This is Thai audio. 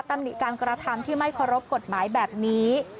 ตำหนิการกรรธรรมที่ไม่เคารพกฎหมายแบบนี้